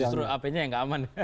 sesuai hapenya enggak aman